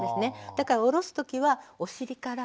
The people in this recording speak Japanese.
だから下ろす時はお尻から。